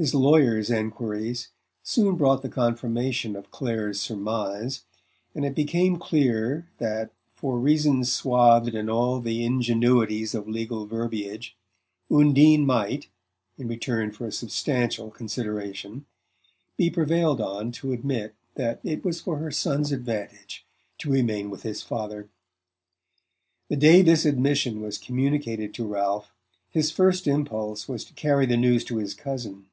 His lawyers' enquiries soon brought the confirmation of Clare's surmise, and it became clear that for reasons swathed in all the ingenuities of legal verbiage Undine might, in return for a substantial consideration, be prevailed on to admit that it was for her son's advantage to remain with his father. The day this admission was communicated to Ralph his first impulse was to carry the news to his cousin.